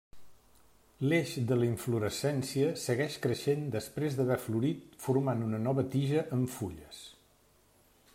L'eix de la inflorescència segueix creixent després d'haver florit formant una nova tija amb fulles.